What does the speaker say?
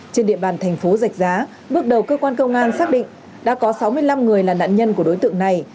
trên địa bàn thành phố dạch giá bước đầu cơ quan công an xác định đã có sáu mươi năm người là nạn nhân của đối tượng này